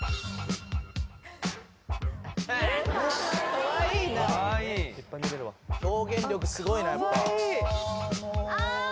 かわいいな・かわいい表現力すごいなやっぱあー！